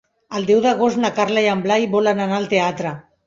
El deu d'agost na Carla i en Blai volen anar al teatre.